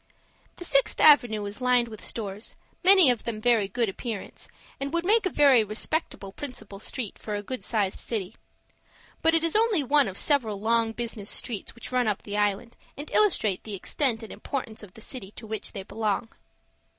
The Sixth Avenue is lined with stores, many of them of very good appearance, and would make a very respectable principal street for a good sized city. But it is only one of several long business streets which run up the island, and illustrate the extent and importance of the city to which they belong.